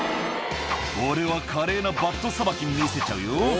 「俺は華麗なバットさばき見せちゃうよ」